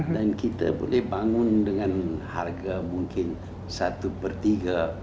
dan kita boleh bangun dengan harga mungkin satu per tiga